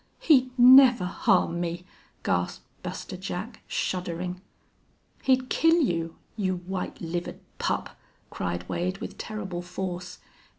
"He'd never harm me!" gasped Buster Jack, shuddering. "He'd kill you you white livered pup!" cried Wade, with terrible force.